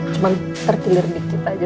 cuma terkilir dikit aja